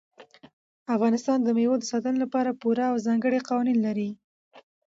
افغانستان د مېوو د ساتنې لپاره پوره او ځانګړي قوانین لري.